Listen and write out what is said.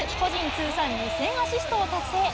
通算２０００アシストを達成。